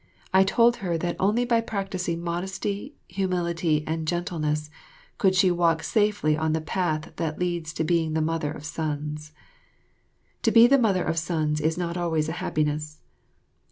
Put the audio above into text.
I told her that only by practising modesty, humility and gentleness could she walk safely on the path that leads to being the mother of sons. To be the mother of sons is not always a happiness.